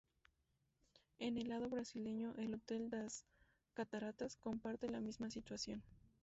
En el lado brasileño, el Hotel das Cataratas comparte la misma situación.